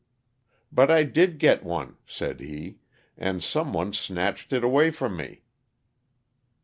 '* But I did get one," said he, *'and some one snatched it away from me."